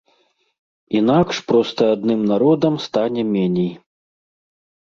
Інакш проста адным народам стане меней.